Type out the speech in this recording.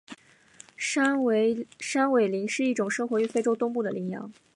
山苇羚是一种生活于非洲东北部的羚羊。